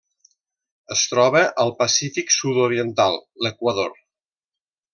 Es troba al Pacífic sud-oriental: l'Equador.